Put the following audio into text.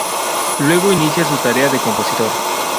Luego inicia su tarea de compositor.